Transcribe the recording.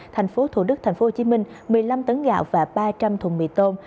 thành phố thủ đức tp hcm một mươi năm tấn gạo và ba trăm linh thùng mì tôm